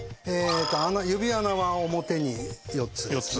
指穴は表に４つですね。